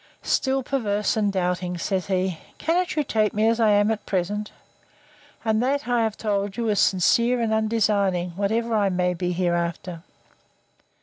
Still perverse and doubting! said he—Cannot you take me as I am at present? And that, I have told you, is sincere and undesigning, whatever I may be hereafter.